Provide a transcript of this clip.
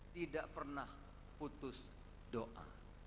tidak pernah putus doa